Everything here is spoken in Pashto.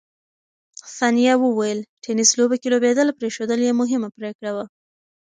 ثانیه وویل، ټېنس لوبو کې لوبېدل پرېښودل یې مهمه پرېکړه وه.